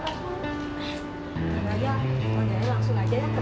nang laila langsung aja ya ke kamar penyelidikan mereka